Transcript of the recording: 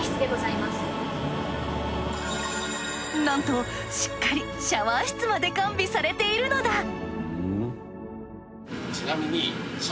なんとしっかりシャワー室まで完備されているのだ。